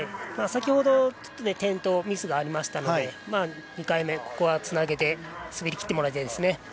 先ほど、転倒ミスがありましたので２回目はつなげて滑りきってもらいたいです。